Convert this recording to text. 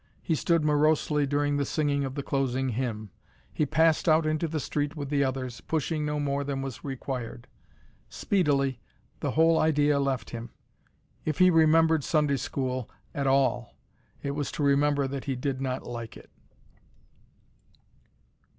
He stood morosely during the singing of the closing hymn. He passed out into the street with the others, pushing no more than was required. Speedily the whole idea left him. If he remembered Sunday school at all, it was to remember that he did not like it.